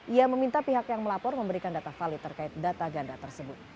ia meminta pihak yang melapor memberikan data valid terkait data ganda tersebut